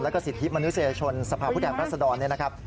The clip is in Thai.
และกษิทธิปน์มนุษยชนสภาพพุทธแห่งรัฐศดรเนี่ยนะครับ